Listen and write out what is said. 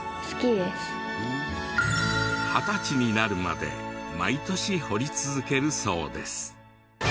二十歳になるまで毎年彫り続けるそうです。